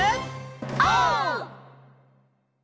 オー！